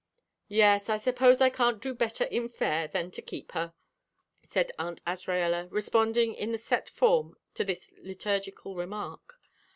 "Yes; I suppose I can't do better in Fayre than to keep her," said Aunt Azraella, responding in the set form to this liturgical remark.